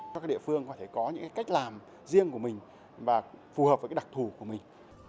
các địa phương có thể có những cách làm riêng của mình và phù hợp với đặc thù của mình